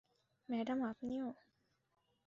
Madam, আপনিও।